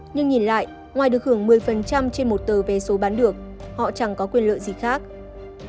nhưng nhìn lại ngoài được hưởng một mươi trên một tờ vé số bán được họ chẳng có quyền lợi gì khác